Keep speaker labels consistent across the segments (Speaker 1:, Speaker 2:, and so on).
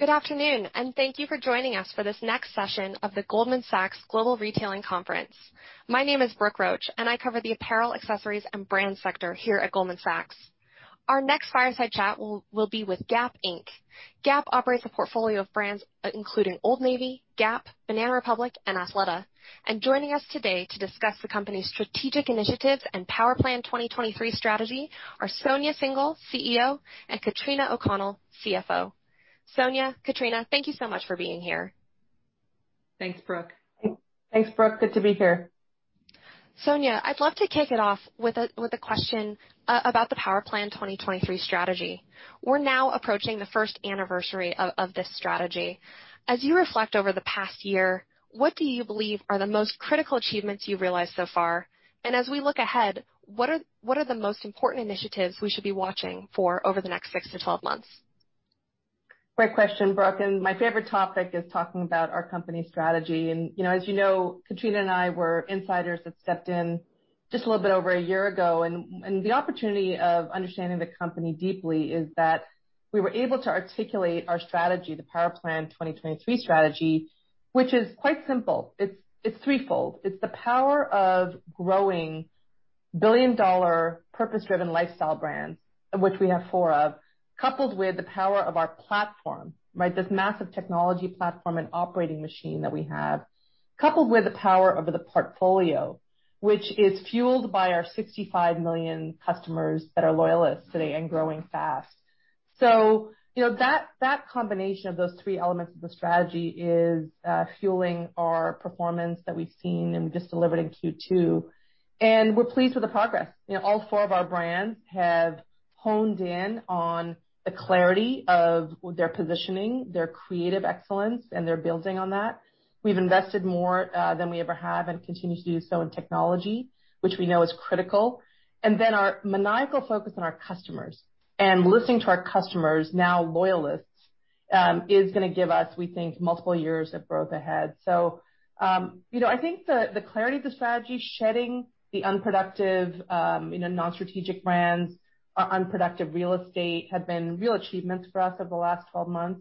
Speaker 1: Good afternoon, and thank you for joining us for this next session of the Goldman Sachs Global Retailing Conference. My name is Brooke Roach, and I cover the apparel, accessories, and brand sector here at Goldman Sachs. Our next fireside chat will be with Gap Inc. Gap operates a portfolio of brands including Old Navy, Gap, Banana Republic, and Athleta. Joining us today to discuss the company's strategic initiatives and Power Plan 2023 strategy are Sonia Syngal, CEO, and Katrina O'Connell, CFO. Sonia, Katrina, thank you so much for being here.
Speaker 2: Thanks, Brooke.
Speaker 3: Thanks, Brooke. Good to be here.
Speaker 1: Sonia, I'd love to kick it off with a question about the Power Plan 2023 strategy. We're now approaching the first anniversary of this strategy. As you reflect over the past year, what do you believe are the most critical achievements you've realized so far? As we look ahead, what are the most important initiatives we should be watching for over the next 6 months-12 months?
Speaker 3: Great question, Brooke, my favorite topic is talking about our company strategy. As you know, Katrina and I were insiders that stepped in just a little bit over a year ago. The opportunity of understanding the company deeply is that we were able to articulate our strategy, the Power Plan 2023 strategy, which is quite simple. It's threefold. It's the power of growing billion-dollar purpose-driven lifestyle brands, which we have four of, coupled with the power of our platform, right? This massive technology platform and operating machine that we have, coupled with the power of the portfolio, which is fueled by our 65 million customers that are loyalists today and growing fast. That combination of those three elements of the strategy is fueling our performance that we've seen, and we just delivered in Q2. We're pleased with the progress. All four of our brands have honed in on the clarity of their positioning, their creative excellence, and they're building on that. We've invested more than we ever have and continue to do so in technology, which we know is critical. Our maniacal focus on our customers and listening to our customers, now loyalists, is going to give us, we think, multiple years of growth ahead. I think the clarity of the strategy, shedding the unproductive non-strategic brands or unproductive real estate, have been real achievements for us over the last 12 months.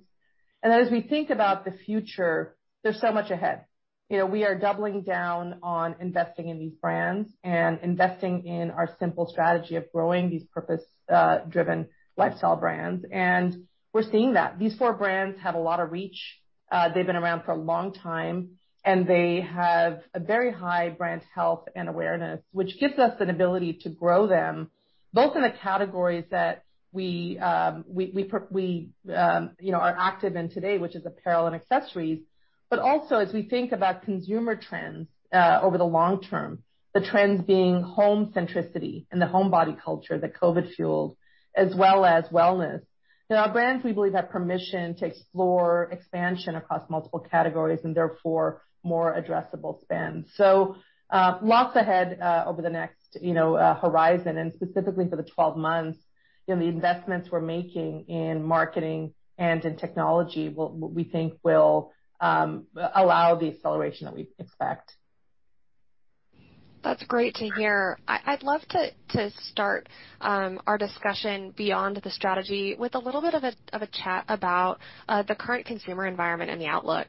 Speaker 3: As we think about the future, there's so much ahead. We are doubling down on investing in these brands and investing in our simple strategy of growing these purpose-driven lifestyle brands. We're seeing that. These four brands have a lot of reach. They've been around for a long time, and they have a very high brand health and awareness, which gives us an ability to grow them, both in the categories that we are active in today, which is apparel and accessories, but also as we think about consumer trends, over the long term. The trends being home centricity and the homebody culture that COVID fueled, as well as wellness. Our brands, we believe, have permission to explore expansion across multiple categories and therefore more addressable spend. Lots ahead over the next horizon and specifically for the 12 months. The investments we're making in marketing and in technology we think will allow the acceleration that we expect.
Speaker 1: That's great to hear. I'd love to start our discussion beyond the strategy with a little bit of a chat about the current consumer environment and the outlook.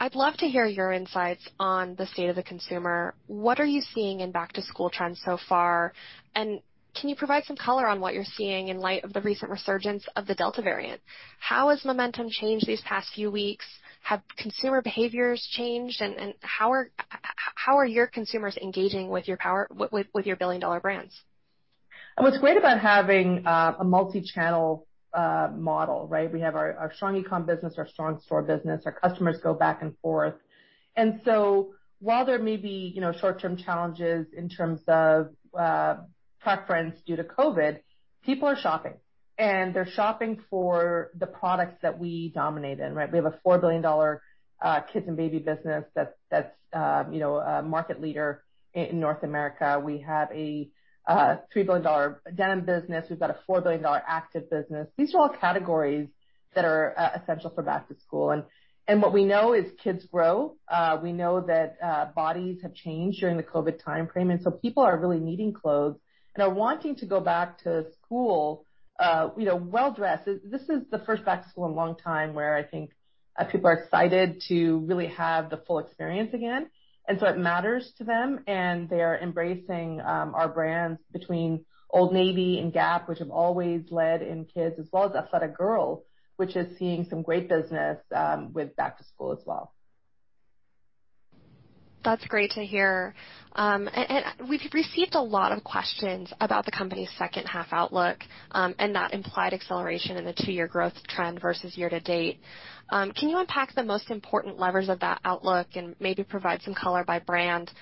Speaker 1: I'd love to hear your insights on the state of the consumer. What are you seeing in back-to-school trends so far? Can you provide some color on what you're seeing in light of the recent resurgence of the Delta variant? How has momentum changed these past few weeks? Have consumer behaviors changed? How are your consumers engaging with your billion-dollar brands?
Speaker 3: What's great about having a multi-channel model, right? We have our strong e-com business, our strong store business. Our customers go back and forth. While there may be short-term challenges in terms of preference due to COVID, people are shopping, and they're shopping for the products that we dominate in, right? We have a $4 billion kids and baby business that's a market leader in North America. We have a $3 billion denim business. We've got a $4 billion active business. These are all categories that are essential for back to school. What we know is kids grow. We know that bodies have changed during the COVID timeframe, and so people are really needing clothes and are wanting to go back to school well-dressed. This is the first back to school in a long time where I think people are excited to really have the full experience again, and so it matters to them, and they are embracing our brands between Old Navy and Gap, which have always led in kids as well as Athleta Girl, which is seeing some great business with back to school as well.
Speaker 1: That's great to hear. We've received a lot of questions about the company's second half outlook, and that implied acceleration in the two-year growth trend versus year to date. Can you unpack the most important levers of that outlook and maybe provide some color by brand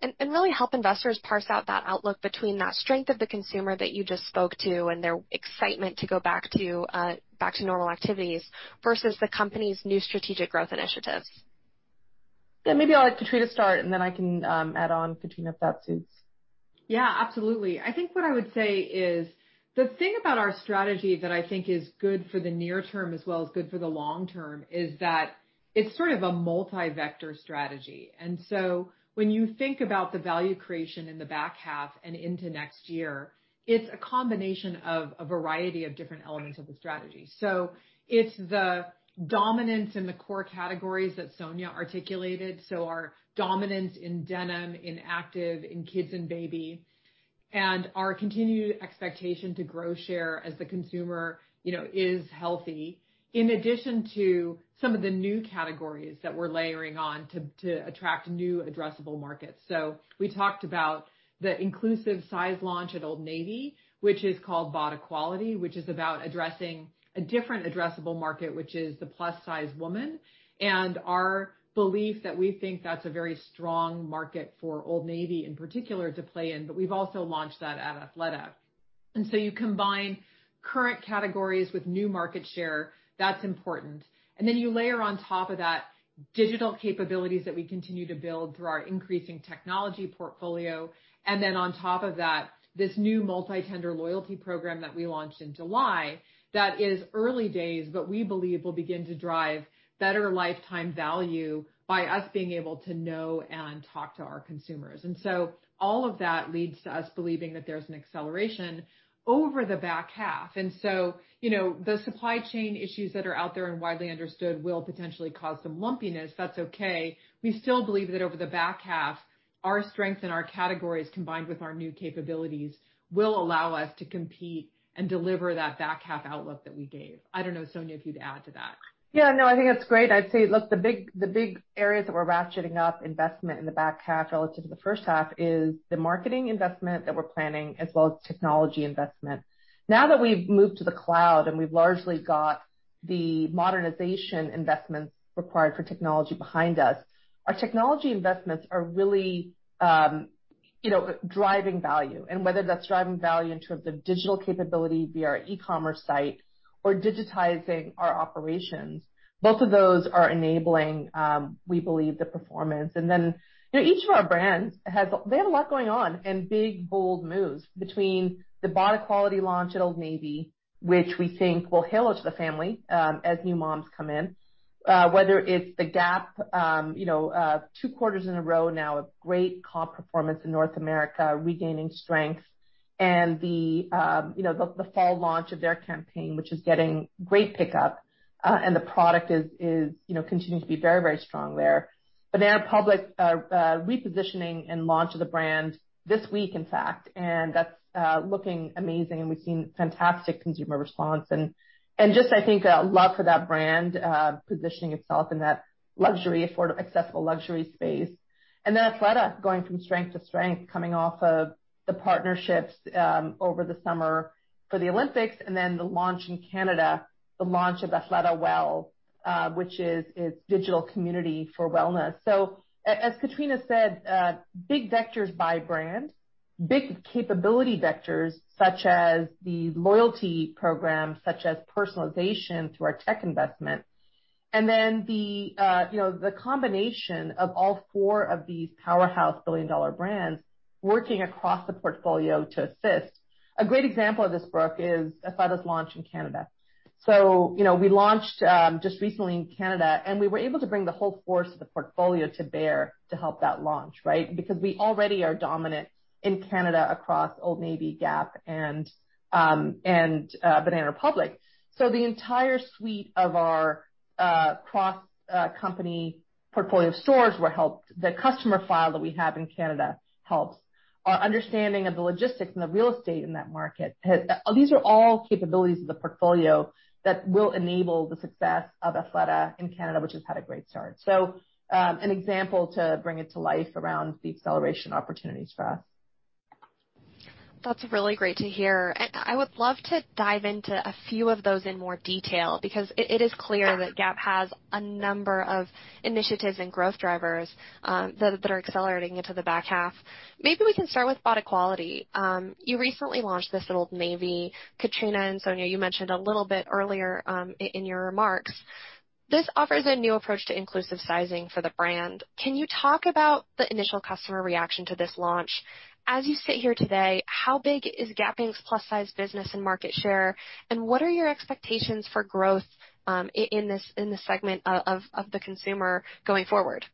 Speaker 1: and really help investors parse out that outlook between that strength of the consumer that you just spoke to and their excitement to go back to normal activities versus the company's new strategic growth initiatives?
Speaker 3: Yeah, maybe I'll let Katrina start, and then I can add on, Katrina, if that suits.
Speaker 2: Yeah, absolutely. I think what I would say is the thing about our strategy that I think is good for the near term as well as good for the long term. It's sort of a multi-vector strategy. When you think about the value creation in the back half and into next year, it's a combination of a variety of different elements of the strategy. It's the dominance in the core categories that Sonia articulated. Our dominance in denim, in active, in kids and baby, and our continued expectation to grow share as the consumer is healthy, in addition to some of the new categories that we're layering on to attract new addressable markets. We talked about the inclusive size launch at Old Navy, which is called BODEQUALITY, which is about addressing a different addressable market, which is the plus-size woman. Our belief that we think that's a very strong market for Old Navy in particular to play in. We've also launched that at Athleta. You combine current categories with new market share, that's important. You layer on top of that digital capabilities that we continue to build through our increasing technology portfolio. On top of that, this new multi-tender loyalty program that we launched in July, that is early days, but we believe will begin to drive better lifetime value by us being able to know and talk to our consumers. All of that leads to us believing that there's an acceleration over the back half. The supply chain issues that are out there and widely understood will potentially cause some lumpiness. That's okay. We still believe that over the back half, our strength and our categories, combined with our new capabilities, will allow us to compete and deliver that back half outlook that we gave. I don't know, Sonia, if you'd add to that.
Speaker 3: Yeah, no, I think that's great. I'd say, look, the big areas that we're ratcheting up investment in the back half relative to the first half is the marketing investment that we're planning, as well as technology investment. Now that we've moved to the cloud and we've largely got the modernization investments required for technology behind us, our technology investments are really driving value. Whether that's driving value in terms of digital capability via our e-commerce site or digitizing our operations, both of those are enabling, we believe, the performance. Each of our brands, they have a lot going on and big bold moves between the BODEQUALITY launch at Old Navy, which we think will hail it to the family, as new moms come in. Whether it's the Gap, two quarters in a row now, a great comp performance in North America, regaining strength and the fall launch of their campaign, which is getting great pickup. The product is continuing to be very strong there. Banana Republic repositioning and launch of the brand this week, in fact, and that's looking amazing, and we've seen fantastic consumer response and just, I think, a love for that brand, positioning itself in that accessible luxury space. Athleta going from strength to strength, coming off of the partnerships over the summer for the Olympics, then the launch in Canada, the launch of AthletaWell, which is its digital community for wellness. As Katrina said, big vectors by brand, big capability vectors such as the loyalty program, such as personalization through our tech investment, and then the combination of all four of these powerhouse billion-dollar brands working across the portfolio to assist. A great example of this, Brooke, is Athleta's launch in Canada. We launched just recently in Canada, and we were able to bring the whole force of the portfolio to bear to help that launch, right? We already are dominant in Canada across Old Navy, Gap, and Banana Republic. The entire suite of our cross-company portfolio of stores will help. The customer file that we have in Canada helps. Our understanding of the logistics and the real estate in that market. These are all capabilities of the portfolio that will enable the success of Athleta in Canada, which has had a great start. An example to bring it to life around the acceleration opportunities for us.
Speaker 1: That's really great to hear. I would love to dive into a few of those in more detail, because it is clear that Gap has a number of initiatives and growth drivers that are accelerating into the back half. Maybe we can start with BODEQUALITY. You recently launched this at Old Navy. Katrina and Sonia, you mentioned a little bit earlier in your remarks. This offers a new approach to inclusive sizing for the brand. Can you talk about the initial customer reaction to this launch? As you sit here today, how big is Gap Inc.'s plus-size business and market share, and what are your expectations for growth in this segment of the consumer going forward?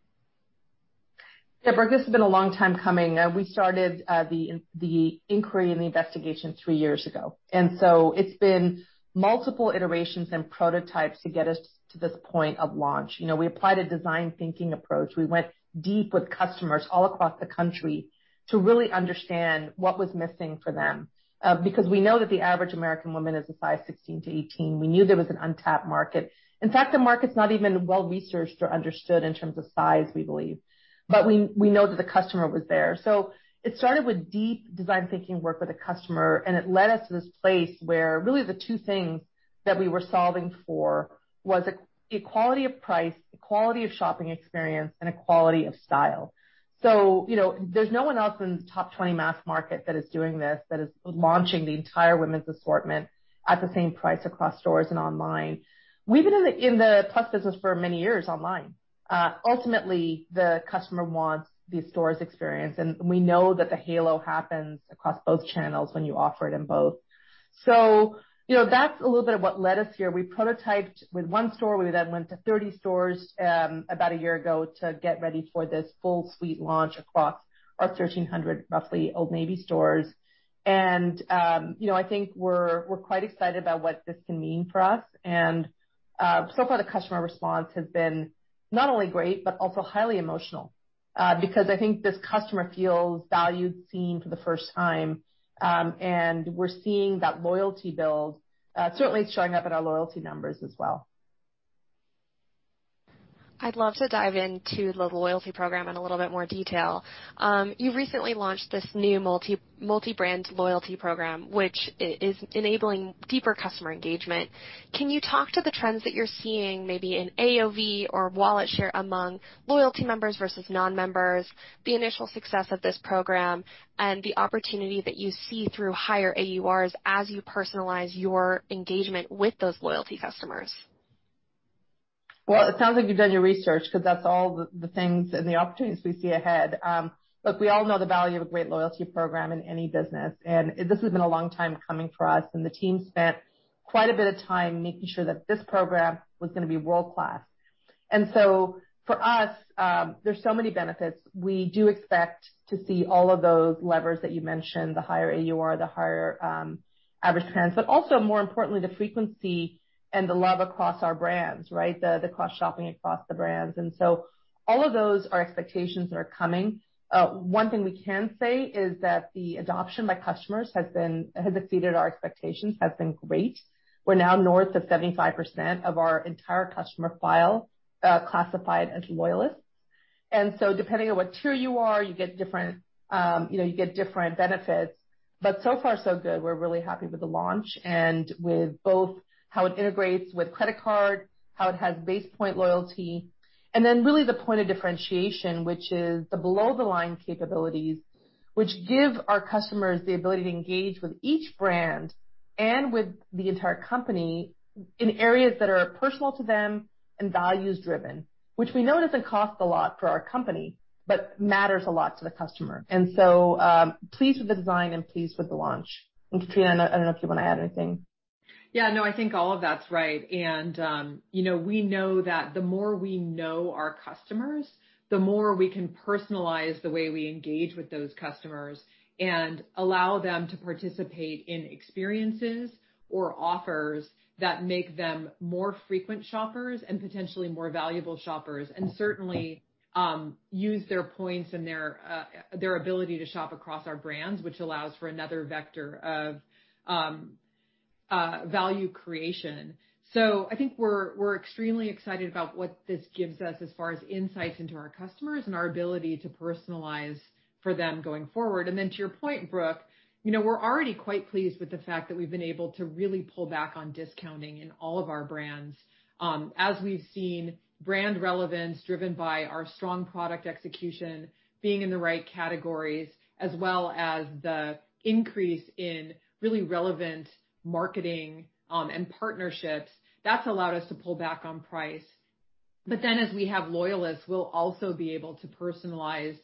Speaker 3: Yeah, Brooke, this has been a long time coming. We started the inquiry and the investigation three years ago. It's been multiple iterations and prototypes to get us to this point of launch. We applied a design thinking approach. We went deep with customers all across the country to really understand what was missing for them. We know that the average American woman is a size 16 to 18. We knew there was an untapped market. In fact, the market's not even well-researched or understood in terms of size, we believe. We know that the customer was there. It started with deep design thinking work with the customer, and it led us to this place where really the two things that we were solving for was equality of price, equality of shopping experience, and equality of style. There's no one else in the top 20 mass market that is doing this, that is launching the entire women's assortment at the same price across stores and online. We've been in the plus business for many years online. Ultimately, the customer wants the stores experience, and we know that the halo happens across both channels when you offer it in both. That's a little bit of what led us here. We prototyped with one store. We then went to 30 stores about a year ago to get ready for this full suite launch across our 1,300, roughly, Old Navy stores. I think we're quite excited about what this can mean for us. So far, the customer response has been not only great, but also highly emotional. Because I think this customer feels valued, seen for the first time, and we're seeing that loyalty build. Certainly, it's showing up in our loyalty numbers as well.
Speaker 1: I'd love to dive into the loyalty program in a little bit more detail. You recently launched this new multi-brand loyalty program, which is enabling deeper customer engagement. Can you talk to the trends that you're seeing, maybe in AOV or wallet share among loyalty members versus non-members, the initial success of this program, and the opportunity that you see through higher AURs as you personalize your engagement with those loyalty customers?
Speaker 3: Well, it sounds like you've done your research, because that's all the things and the opportunities we see ahead. Look, we all know the value of a great loyalty program in any business, and this has been a long time coming for us. The team spent quite a bit of time making sure that this program was going to be world-class. For us, there's so many benefits. We do expect to see all of those levers that you mentioned, the higher AUR, the higher average spend, but also more importantly, the frequency and the love across our brands, right? The cross-shopping across the brands. All of those are expectations that are coming. One thing we can say is that the adoption by customers has exceeded our expectations, has been great. We're now north of 75% of our entire customer file classified as loyalists. Depending on what tier you are, you get different benefits. So far, so good. We're really happy with the launch and with both how it integrates with credit card, how it has base point loyalty. Then really the point of differentiation, which is the below the line capabilities, which give our customers the ability to engage with each brand and with the entire company in areas that are personal to them and values-driven. Which we know doesn't cost a lot for our company, but matters a lot to the customer. Pleased with the design and pleased with the launch. Katrina, I don't know if you want to add anything.
Speaker 2: Yeah, no, I think all of that's right. We know that the more we know our customers, the more we can personalize the way we engage with those customers and allow them to participate in experiences or offers that make them more frequent shoppers and potentially more valuable shoppers. Certainly, use their points and their ability to shop across our brands, which allows for another vector of value creation. I think we're extremely excited about what this gives us as far as insights into our customers and our ability to personalize for them going forward. Then to your point, Brooke, we're already quite pleased with the fact that we've been able to really pull back on discounting in all of our brands. As we've seen brand relevance driven by our strong product execution, being in the right categories, as well as the increase in really relevant marketing, and partnerships. That's allowed us to pull back on price. As we have loyalists, we'll also be able to personalize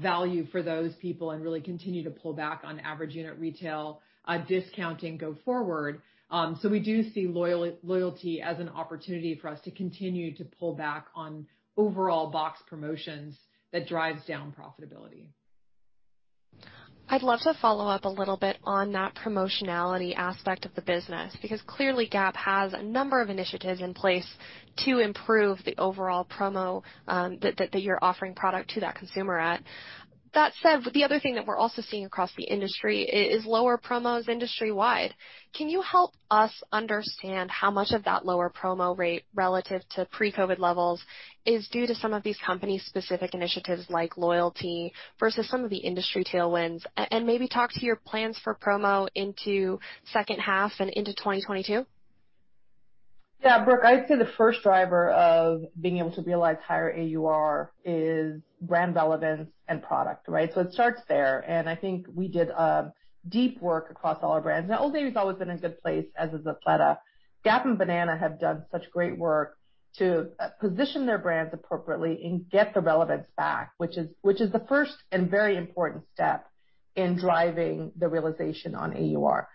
Speaker 2: value for those people and really continue to pull back on average unit retail discounting go forward. We do see loyalty as an opportunity for us to continue to pull back on overall box promotions that drives down profitability.
Speaker 1: I'd love to follow up a little bit on that promotionality aspect of the business, because clearly Gap has a number of initiatives in place to improve the overall promo that you're offering product to that consumer at. The other thing that we're also seeing across the industry is lower promos industry-wide. Can you help us understand how much of that lower promo rate relative to pre-COVID levels is due to some of these company-specific initiatives, like loyalty versus some of the industry tailwinds? Maybe talk to your plans for promo into second half and into 2022.
Speaker 3: Yeah. Brooke, I'd say the first driver of being able to realize higher AUR is brand relevance and product, right? It starts there, and I think we did a deep work across all our brands. Old Navy's always been in a good place, as has Athleta. Gap and Banana have done such great work to position their brands appropriately and get the relevance back, which is the first and very important step in driving the realization on AUR.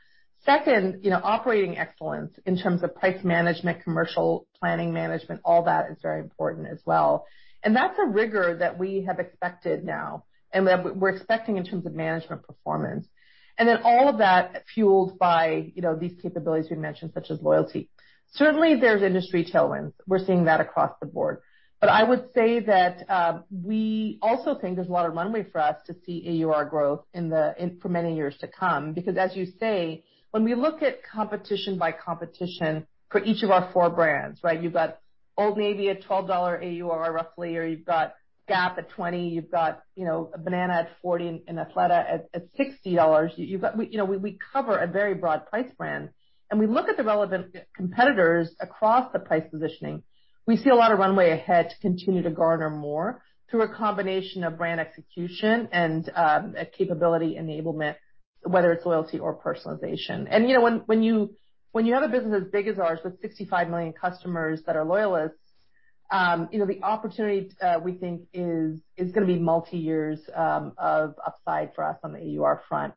Speaker 3: Second, operating excellence in terms of price management, commercial planning management, all that is very important as well. That's a rigor that we have expected now, and we're expecting in terms of management performance. All of that fueled by these capabilities we mentioned, such as loyalty. Certainly, there's industry tailwinds. We're seeing that across the board. I would say that we also think there's a lot of runway for us to see AUR growth for many years to come, because as you say, when we look at competition by competition for each of our four brands, right? You've got Old Navy at $12 AUR, roughly, or you've got Gap at $20. You've got Banana at $40, and Athleta at $60. We cover a very broad price band, and we look at the relevant competitors across the price positioning. We see a lot of runway ahead to continue to garner more through a combination of brand execution and capability enablement, whether it's loyalty or personalization. When you have a business as big as ours with 65 million customers that are loyalists, the opportunity, we think, is going to be multi-years of upside for us on the AUR front.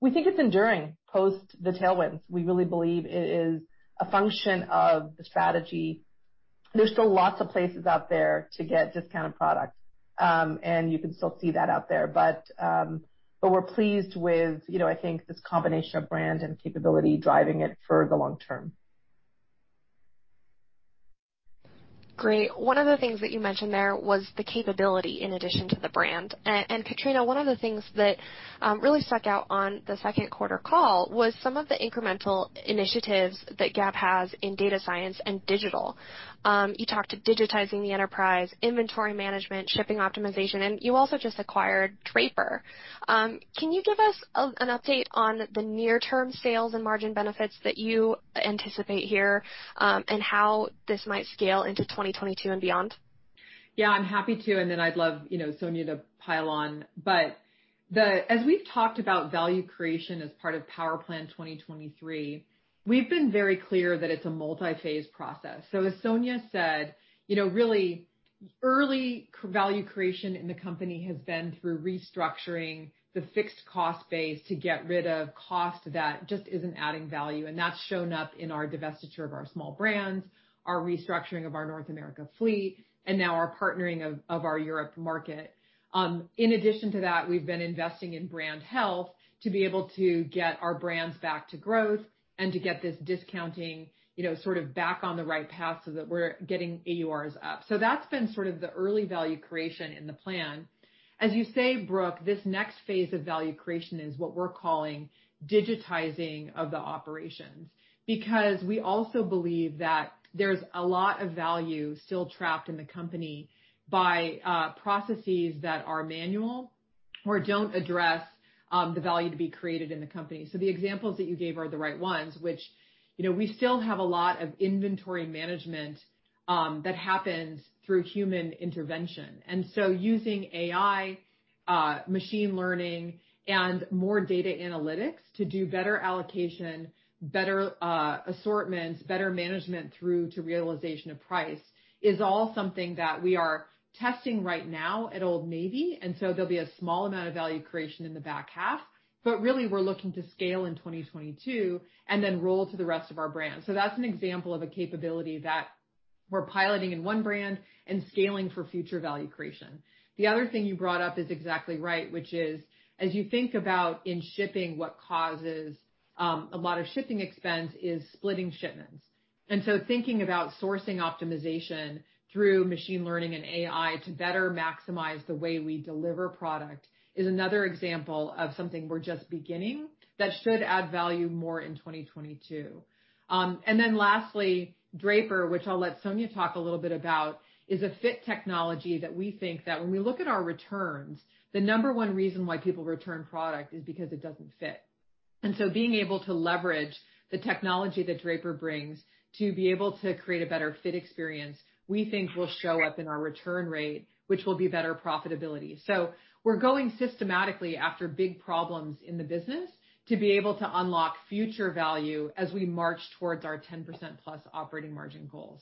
Speaker 3: We think it's enduring post the tailwinds. We really believe it is a function of the strategy. There's still lots of places out there to get discounted products. You can still see that out there. We're pleased with, I think this combination of brand and capability driving it for the long term.
Speaker 1: Great. One of the things that you mentioned there was the capability in addition to the brand. Katrina, one of the things that really stuck out on the second quarter call was some of the incremental initiatives that Gap has in data science and digital. You talked digitizing the enterprise, inventory management, shipping optimization, and you also just acquired Drapr. Can you give us an update on the near-term sales and margin benefits that you anticipate here, and how this might scale into 2022 and beyond?
Speaker 2: Yeah, I'm happy to, then I'd love Sonia to pile on. As we've talked about value creation as part of Power Plan 2023, we've been very clear that it's a multi-phase process. As Sonia said, really early value creation in the company has been through restructuring the fixed cost base to get rid of cost that just isn't adding value, and that's shown up in our divestiture of our small brands, our restructuring of our North America fleet, and now our partnering of our Europe market. In addition to that, we've been investing in brand health to be able to get our brands back to growth and to get this discounting sort of back on the right path so that we're getting AURs up. That's been sort of the early value creation in the plan. As you say, Brooke, this next phase of value creation is what we're calling digitizing of the operations. We also believe that there's a lot of value still trapped in the company by processes that are manual or don't address the value to be created in the company. The examples that you gave are the right ones, which we still have a lot of inventory management that happens through human intervention. Using AI, machine learning, and more data analytics to do better allocation, better assortments, better management through to realization of price is all something that we are testing right now at Old Navy. There'll be a small amount of value creation in the back half, but really, we're looking to scale in 2022 and then roll to the rest of our brands. That's an example of a capability that we're piloting in one brand and scaling for future value creation. The other thing you brought up is exactly right, which is as you think about in shipping, what causes a lot of shipping expense is splitting shipments. Thinking about sourcing optimization through machine learning and AI to better maximize the way we deliver product is another example of something we're just beginning that should add value more in 2022. Lastly, Drapr, which I'll let Sonia talk a little bit about, is a fit technology that we think that when we look at our returns, the number one reason why people return product is because it doesn't fit. Being able to leverage the technology that Drapr brings to be able to create a better fit experience, we think will show up in our return rate, which will be better profitability. We're going systematically after big problems in the business to be able to unlock future value as we march towards our 10%+ operating margin goals.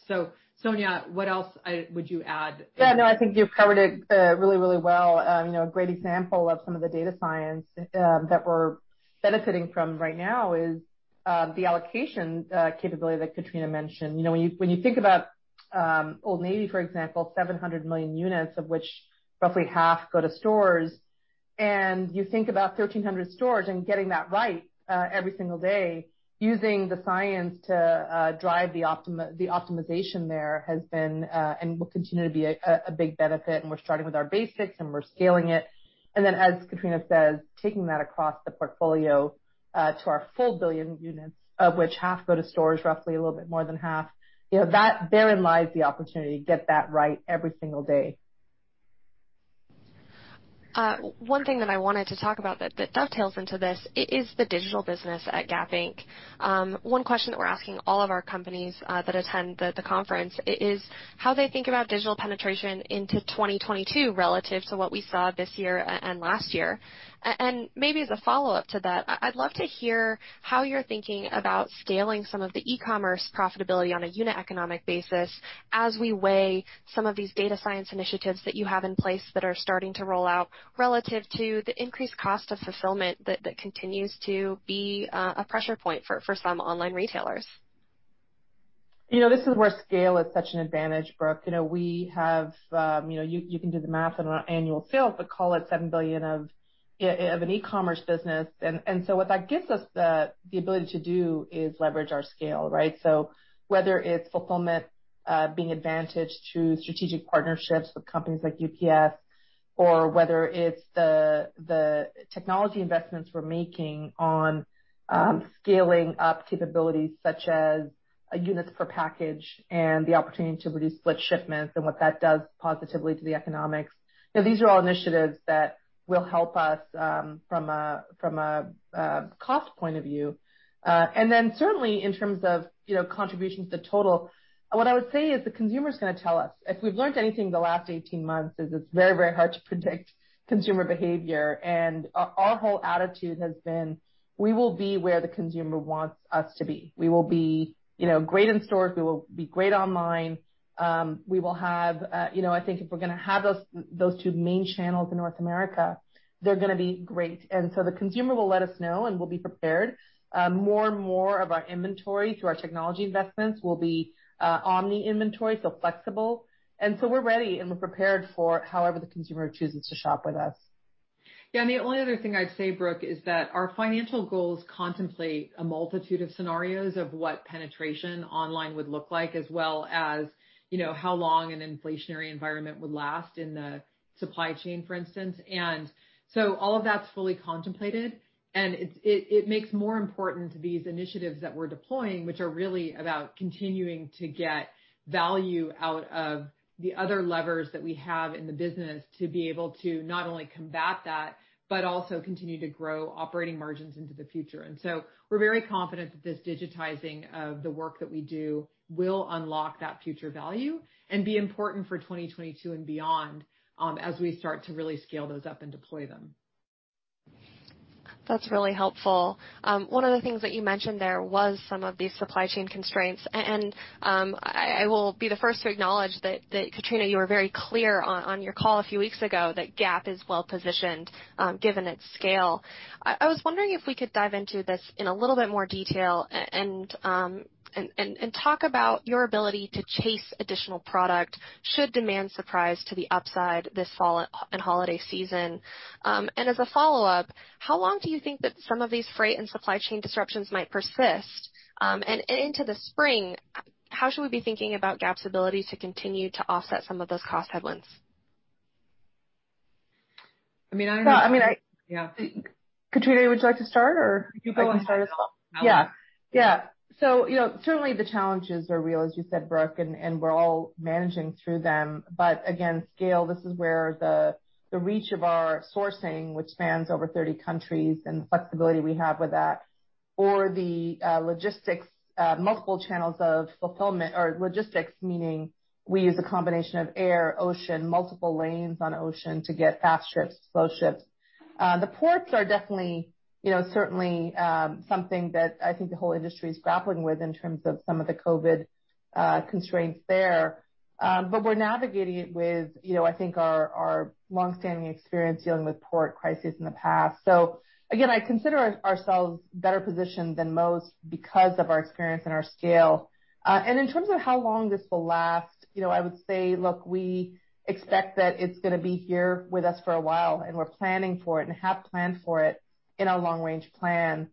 Speaker 2: Sonia, what else would you add?
Speaker 3: Yeah, no, I think you've covered it really, really well. A great example of some of the data science that we're benefiting from right now is the allocation capability that Katrina mentioned. When you think about Old Navy, for example, 700 million units, of which roughly half go to stores, and you think about 1,300 stores and getting that right every single day, using the science to drive the optimization there has been and will continue to be a big benefit. We're starting with our basics, and we're scaling it. Then, as Katrina says, taking that across the portfolio to our full billion units, of which half go to stores, roughly a little bit more than half, therein lies the opportunity to get that right every single day.
Speaker 1: One thing that I wanted to talk about that dovetails into this is the digital business at Gap Inc. One question that we're asking all of our companies that attend the Conference is how they think about digital penetration into 2022 relative to what we saw this year and last year. Maybe as a follow-up to that, I'd love to hear how you're thinking about scaling some of the e-commerce profitability on a unit economic basis as we weigh some of these data science initiatives that you have in place that are starting to roll out relative to the increased cost of fulfillment that continues to be a pressure point for some online retailers.
Speaker 3: This is where scale is such an advantage, Brooke. Call it $7 billion of an e-commerce business. What that gives us the ability to do is leverage our scale, right? Whether it's fulfillment being advantaged through strategic partnerships with companies like UPS, or whether it's the technology investments we're making on scaling up capabilities such as units per package and the opportunity to reduce split shipments and what that does positively to the economics. These are all initiatives that will help us from a cost point of view. Certainly in terms of contributions to total, what I would say is the consumer is going to tell us. If we've learned anything the last 18 months is it's very hard to predict consumer behavior. Our whole attitude has been, we will be where the consumer wants us to be. We will be great in stores. We will be great online. I think if we're going to have those two main channels in North America, they're going to be great. The consumer will let us know, and we'll be prepared. More and more of our inventory through our technology investments will be omni inventory, so flexible. We're ready, and we're prepared for however the consumer chooses to shop with us.
Speaker 2: Yeah. The only other thing I'd say, Brooke, is that our financial goals contemplate a multitude of scenarios of what penetration online would look like, as well as how long an inflationary environment would last in the supply chain, for instance. All of that's fully contemplated, and it makes more important these initiatives that we're deploying, which are really about continuing to get value out of the other levers that we have in the business to be able to not only combat that, but also continue to grow operating margins into the future. We're very confident that this digitizing of the work that we do will unlock that future value and be important for 2022 and beyond as we start to really scale those up and deploy them.
Speaker 1: That's really helpful. One of the things that you mentioned there was some of these supply chain constraints. I will be the first to acknowledge that, Katrina, you were very clear on your call a few weeks ago that Gap is well positioned given its scale. I was wondering if we could dive into this in a little bit more detail and talk about your ability to chase additional product should demand surprise to the upside this fall and holiday season. As a follow-up, how long do you think that some of these freight and supply chain disruptions might persist? Into the spring, how should we be thinking about Gap's ability to continue to offset some of those cost headwinds?
Speaker 2: I mean, I don't know. Yeah.
Speaker 3: Katrina, would you like to start, or you can start as well?
Speaker 2: Yeah.
Speaker 3: Yeah. Certainly the challenges are real, as you said, Brooke, we're all managing through them. Again, scale, this is where the reach of our sourcing, which spans over 30 countries, the flexibility we have with that, the logistics, multiple channels of fulfillment or logistics, meaning we use a combination of air, ocean, multiple lanes on ocean to get fast ships, slow ships. The ports are definitely certainly something that I think the whole industry is grappling with in terms of some of the COVID constraints there. We're navigating it with I think our long-standing experience dealing with port crises in the past. Again, I consider ourselves better positioned than most because of our experience and our scale. In terms of how long this will last, I would say, look, we expect that it's going to be here with us for a while, and we're planning for it and have planned for it in our long-range plan,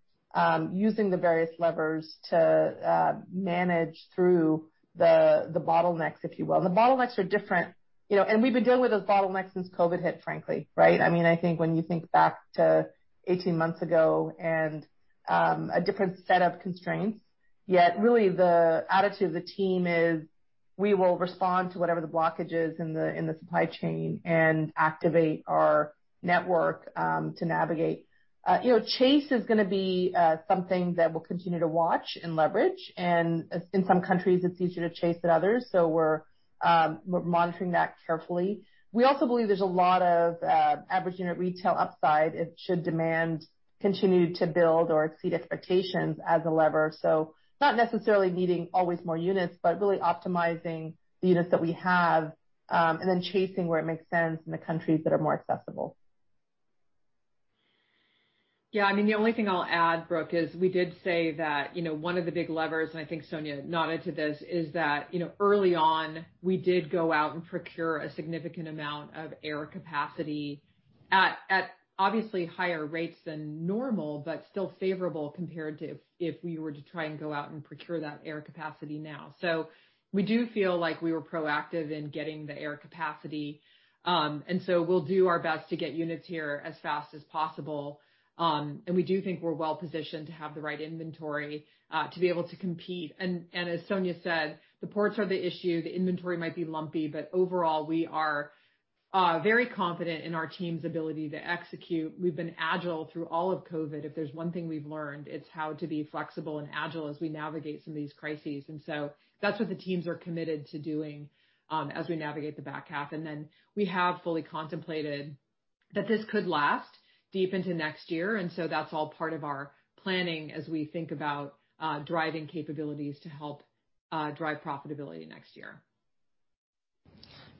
Speaker 3: using the various levers to manage through the bottlenecks, if you will. The bottlenecks are different, and we've been dealing with those bottlenecks since COVID hit, frankly, right? I think when you think back to 18 months ago and a different set of constraints. Really the attitude of the team is we will respond to whatever the blockage is in the supply chain and activate our network to navigate. Chase is going to be something that we'll continue to watch and leverage, and in some countries, it's easier to chase than others. We're monitoring that carefully. We also believe there's a lot of average unit retail upside if should demand continue to build or exceed expectations as a lever. Not necessarily needing always more units, but really optimizing the units that we have, and then chasing where it makes sense in the countries that are more accessible.
Speaker 2: Yeah. The only thing I'll add, Brooke, is we did say that one of the big levers, and I think Sonia nodded to this, is that early on, we did go out and procure a significant amount of air capacity at obviously higher rates than normal, but still favorable compared to if we were to try and go out and procure that air capacity now. We do feel like we were proactive in getting the air capacity. We'll do our best to get units here as fast as possible. We do think we're well positioned to have the right inventory to be able to compete. As Sonia said, the ports are the issue. The inventory might be lumpy, but overall, we are very confident in our team's ability to execute. We've been agile through all of COVID. If there's one thing we've learned, it's how to be flexible and agile as we navigate some of these crises. That's what the teams are committed to doing as we navigate the back half. We have fully contemplated that this could last deep into next year. That's all part of our planning as we think about driving capabilities to help drive profitability next year.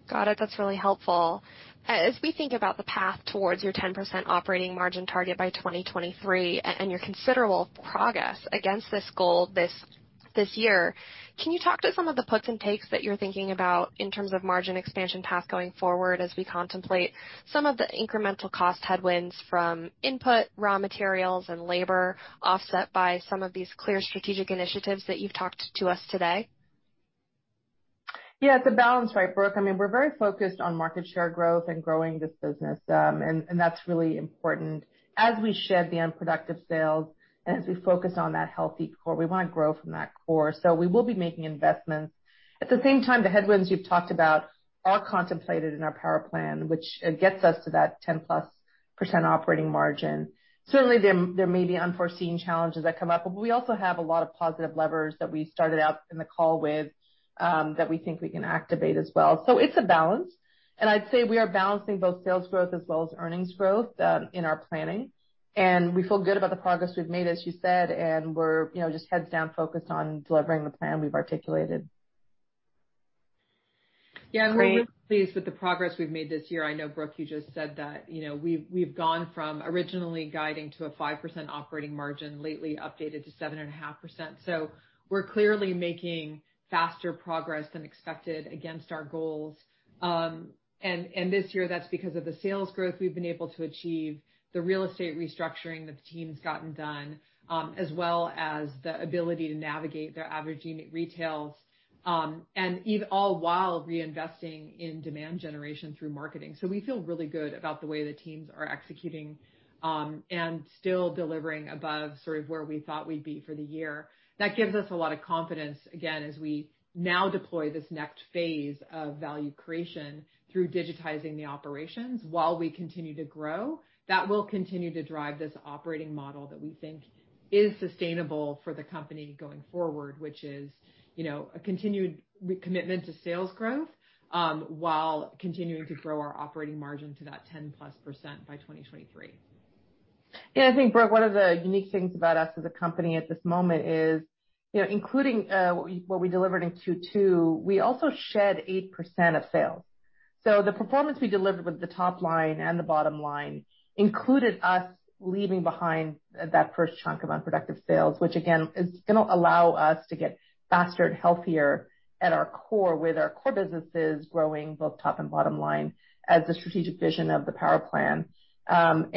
Speaker 1: Got it. That's really helpful. As we think about the path towards your 10% operating margin target by 2023 and your considerable progress against this goal this year, can you talk to some of the puts and takes that you're thinking about in terms of margin expansion path going forward as we contemplate some of the incremental cost headwinds from input, raw materials, and labor offset by some of these clear strategic initiatives that you've talked to us today?
Speaker 3: It's a balance, right, Brooke? We're very focused on market share growth and growing this business. That's really important. As we shed the unproductive sales and as we focus on that healthy core, we want to grow from that core. We will be making investments. At the same time, the headwinds you've talked about are contemplated in our Power Plan, which gets us to that 10%+ operating margin. Certainly, there may be unforeseen challenges that come up, but we also have a lot of positive levers that we started out in the call with, that we think we can activate as well. It's a balance, and I'd say we are balancing both sales growth as well as earnings growth in our planning. We feel good about the progress we've made, as you said, and we're just heads down focused on delivering the plan we've articulated.
Speaker 2: Yeah. We're really pleased with the progress we've made this year. I know, Brooke, you just said that we've gone from originally guiding to a 5% operating margin, lately updated to 7.5%. We're clearly making faster progress than expected against our goals. This year, that's because of the sales growth we've been able to achieve, the real estate restructuring that the team's gotten done, as well as the ability to navigate their average unit retails, and all while reinvesting in demand generation through marketing. We feel really good about the way the teams are executing and still delivering above where we thought we'd be for the year. That gives us a lot of confidence, again, as we now deploy this next phase of value creation through digitizing the operations, while we continue to grow. That will continue to drive this operating model that we think is sustainable for the company going forward, which is a continued commitment to sales growth, while continuing to grow our operating margin to that 10%+ by 2023.
Speaker 3: Yeah. I think, Brooke, one of the unique things about us as a company at this moment is, including what we delivered in Q2, we also shed 8% of sales. The performance we delivered with the top line and the bottom line included us leaving behind that first chunk of unproductive sales, which again is going to allow us to get faster and healthier at our core, with our core businesses growing both top and bottom line as the strategic vision of the Power Plan. I'm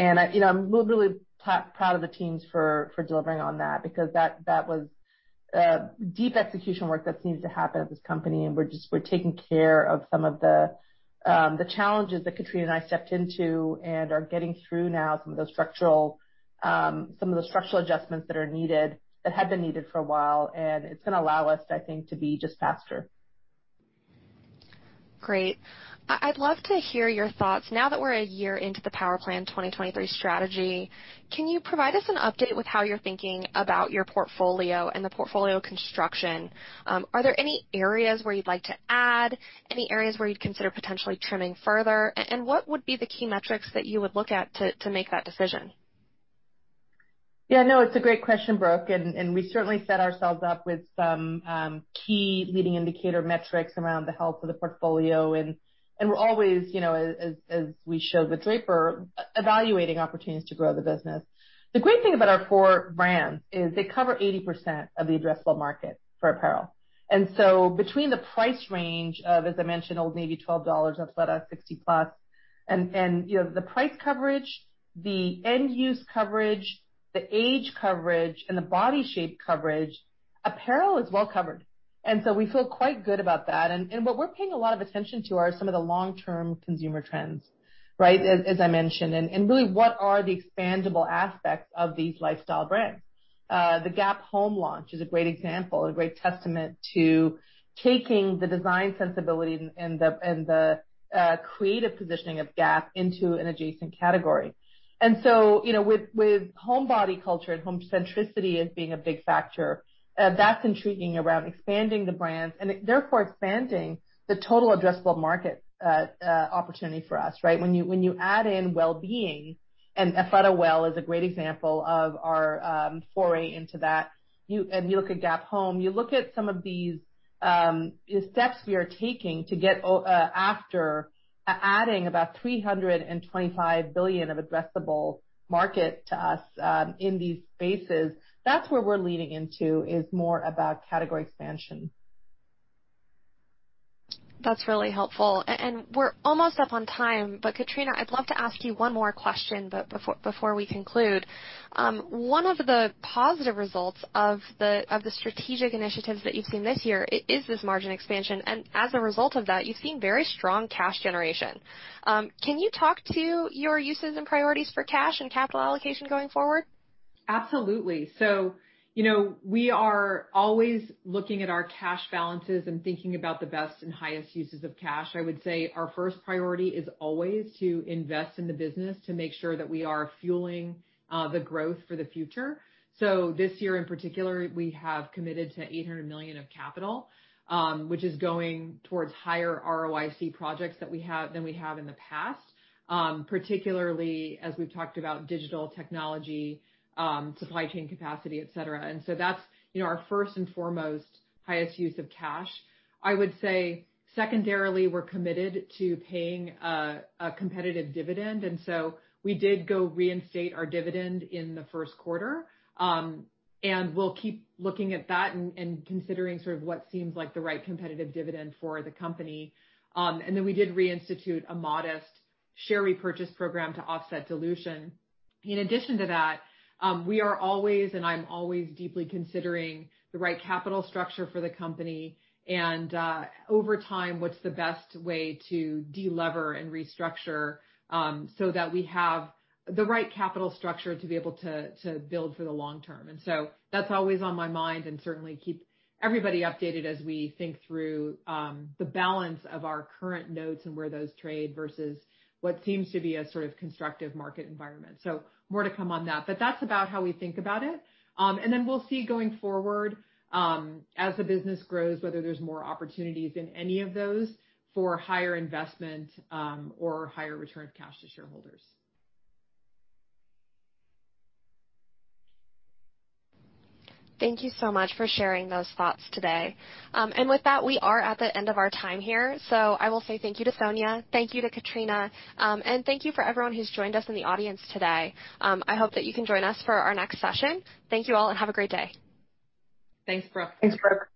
Speaker 3: really proud of the teams for delivering on that, because that was deep execution work that needs to happen at this company. We're taking care of some of the challenges that Katrina and I stepped into and are getting through now, some of the structural adjustments that are needed, that had been needed for a while, and it's going to allow us, I think, to be just faster.
Speaker 1: Great. I'd love to hear your thoughts. Now that we're a year into the Power Plan 2023 strategy, can you provide us an update with how you're thinking about your portfolio and the portfolio construction? Are there any areas where you'd like to add? Any areas where you'd consider potentially trimming further? And what would be the key metrics that you would look at to make that decision?
Speaker 3: Yeah, no, it's a great question, Brooke, and we certainly set ourselves up with some key leading indicator metrics around the health of the portfolio, and we're always, as we showed with Drapr, evaluating opportunities to grow the business. The great thing about our four brands is they cover 80% of the addressable market for apparel. Between the price range of, as I mentioned, Old Navy, $12, Athleta, $60+, and the price coverage, the end-use coverage, the age coverage, and the body shape coverage, apparel is well covered. We feel quite good about that. What we're paying a lot of attention to are some of the long-term consumer trends, right, as I mentioned, and really, what are the expandable aspects of these lifestyle brands? The Gap Home launch is a great example and a great testament to taking the design sensibility and the creative positioning of Gap into an adjacent category. With homebody culture and home centricity as being a big factor, that's intriguing around expanding the brands and therefore expanding the total addressable market opportunity for us. When you add in wellbeing, and AthletaWell is a great example of our foray into that, and you look at Gap Home, you look at some of these steps we are taking to get after adding about $325 billion of addressable market to us in these spaces. That's where we're leaning into, is more about category expansion.
Speaker 1: That's really helpful. We're almost up on time, but Katrina, I'd love to ask you one more question before we conclude. One of the positive results of the strategic initiatives that you've seen this year is this margin expansion, and as a result of that, you've seen very strong cash generation. Can you talk to your uses and priorities for cash and capital allocation going forward?
Speaker 2: Absolutely. We are always looking at our cash balances and thinking about the best and highest uses of cash. I would say our first priority is always to invest in the business to make sure that we are fueling the growth for the future. This year in particular, we have committed to $800 million of capital, which is going towards higher ROIC projects than we have in the past. Particularly as we've talked about digital technology, supply chain capacity, et cetera. That's our first and foremost highest use of cash. I would say secondarily, we're committed to paying a competitive dividend, and so we did go reinstate our dividend in the first quarter. We'll keep looking at that and considering what seems like the right competitive dividend for the company. Then we did reinstitute a modest share repurchase program to offset dilution. In addition to that, we are always, and I'm always deeply considering the right capital structure for the company and, over time, what's the best way to de-lever and restructure, so that we have the right capital structure to be able to build for the long term. That's always on my mind and certainly keep everybody updated as we think through the balance of our current notes and where those trade versus what seems to be a constructive market environment. More to come on that. That's about how we think about it. Then we'll see going forward, as the business grows, whether there's more opportunities in any of those for higher investment or higher return of cash to shareholders.
Speaker 1: Thank you so much for sharing those thoughts today. With that, we are at the end of our time here. I will say thank you to Sonia, thank you to Katrina, and thank you for everyone who's joined us in the audience today. I hope that you can join us for our next session. Thank you all, and have a great day.
Speaker 2: Thanks, Brooke.
Speaker 3: Thanks, Brooke.